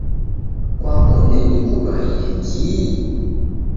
Kwakunde nikudwaiye kihi?